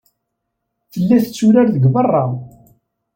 Tella tetturar deg beṛṛa.